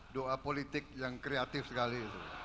doa politik yang kreatif sekali